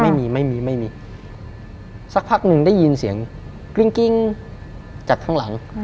ไม่มีไม่มีสักพักหนึ่งได้ยินเสียงกริ้งจากข้างหลัง